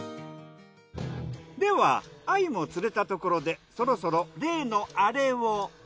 では鮎も釣れたところでそろそろ例のアレを。